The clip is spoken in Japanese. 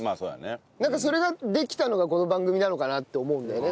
なんかそれができたのがこの番組なのかなって思うんだよね